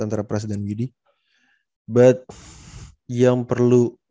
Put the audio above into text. dan gue rasa bakalan jadi battle yang sangat seru banget